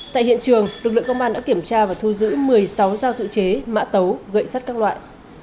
tại hiện trường lực lượng công an đã kiểm tra và thu giữ một mươi sáu giao dự chế mã tấu gậy sắt các loại